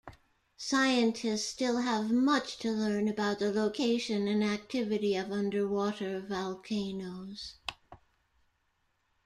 Scientists still have much to learn about the location and activity of underwater volcanoes.